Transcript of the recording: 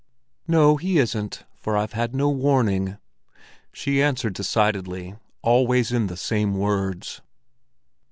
"No, he isn't, for I've had no warning," she answered decidedly, always in the same words.